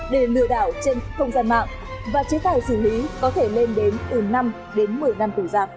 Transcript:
để lừa đảo trên không gian mạng và chế tài xử lý có thể lên đến từ năm đến một mươi năm tù giảm